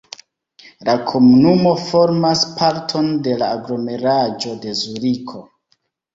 La komunumo formas parton de la aglomeraĵo de Zuriko.